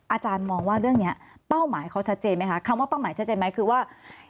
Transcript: อาจารย์มองว่าเรื่องนี้เป้าหมายเขาชัดเจนไหมคะคำว่าเป้าหมายชัดเจนไหมคือว่า